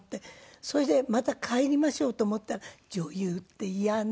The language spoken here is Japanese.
それでまた帰りましょうと思ったら女優ってイヤね。